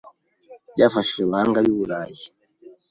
byafashije abahanga b’i Burayi